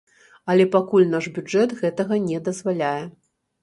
Але пакуль наш бюджэт гэтага не дазваляе.